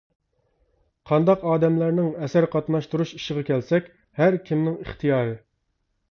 قانداق ئادەملەرنىڭ ئەسەر قاتناشتۇرۇش ئىشىغا كەلسەك، ھەر كىمنىڭ ئىختىيارى.